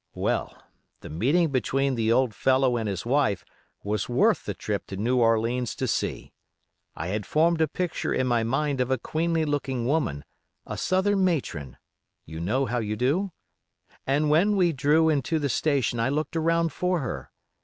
Well, the meeting between the old fellow and his wife was worth the trip to New Orleans to see. I had formed a picture in my mind of a queenly looking woman, a Southern matron—you know how you do? And when we drew into the station I looked around for her.